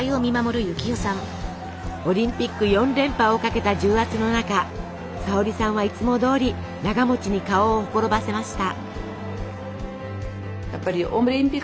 オリンピック４連覇をかけた重圧の中沙保里さんはいつもどおりながに顔をほころばせました。